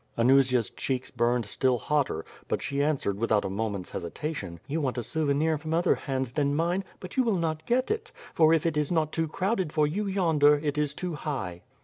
Anusia's cheeks burned still hotter, but she answered with out a moment's hesitation: ^TTou want a souvenir from other hands than mine, but you will not get it, for if it is not too crowded for you yonder, it is too high."